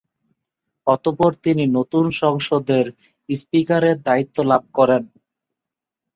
অতঃপর তিনি নতুন সংসদের স্পিকারের দায়িত্ব লাভ করেন।